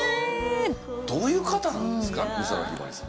どういう方なんですか？